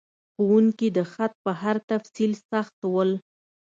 ښوونکي د خط په هر تفصیل سخت ول.